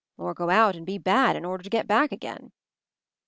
Or go out and be bad in order to get back again."